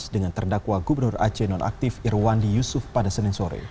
dengan terdakwa gubernur aceh nonaktif irwandi yusuf pada senin sore